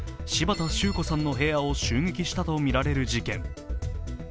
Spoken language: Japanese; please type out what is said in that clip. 柴田周子さんの部屋を襲撃したとみられる事件。